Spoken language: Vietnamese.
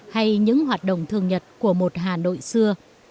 hay những hoạt động thường nhật của một hà nội xưa